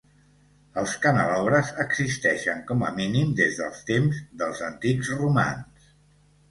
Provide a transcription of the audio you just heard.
Els canelobres existeixen com a mínim des dels temps dels antics romans.